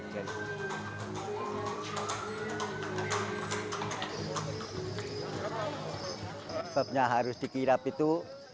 kenapa harus dikirap itu